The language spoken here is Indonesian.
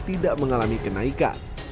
tidak mengalami kenaikan